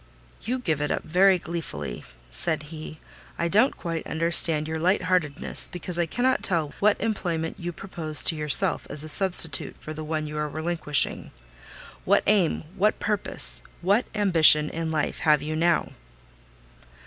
"You give it up very gleefully," said he; "I don't quite understand your light heartedness, because I cannot tell what employment you propose to yourself as a substitute for the one you are relinquishing. What aim, what purpose, what ambition in life have you now?"